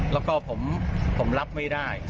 แล้วก็ผมรับไม่ได้